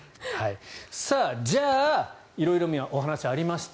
じゃあ、色々なお話がありました